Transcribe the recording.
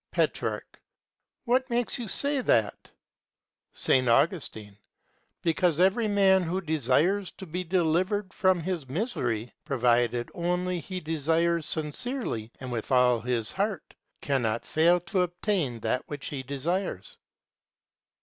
Petrarch. What makes you say that? S. Augustine. Because every man who desires to be delivered from his misery, provided only he desires sincerely and with all his heart, cannot fail to obtain that which he desires.